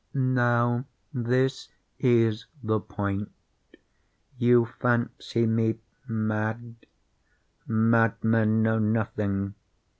Now this is the point. You fancy me mad. Madmen know nothing.